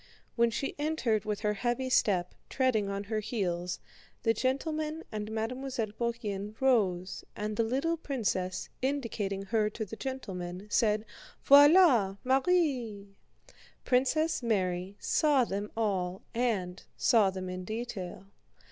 When she entered with her heavy step, treading on her heels, the gentlemen and Mademoiselle Bourienne rose and the little princess, indicating her to the gentlemen, said: "Voilà Marie!" Princess Mary saw them all and saw them in detail.